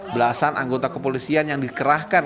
belasan anggota kepolisian yang dikerahkan